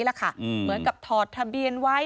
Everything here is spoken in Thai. เหมือนกับถอดทะเบียนไว้